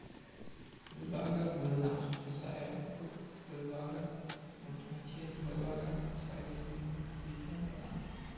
Wilbarger wurde nach Josiah Pugh Wilbarger und Mathias Wilbarger, zwei frühen Siedlern, benannt.